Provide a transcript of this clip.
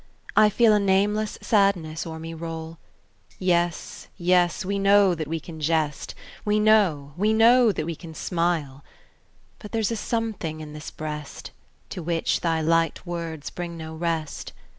I feel a nameless sadness o'er me roll, Yes, yes, we know that we can jest, We know, we know that we can smile! But there's a something in this breast, To which thy light words bring no rest.